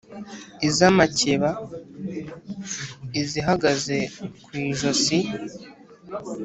iz'amakeba izihagaze ku ijosi.